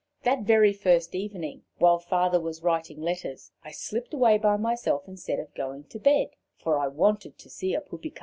That very first evening, while Father was writing letters, I slipped away by myself instead of going to bed, for I wanted to see a Poupican.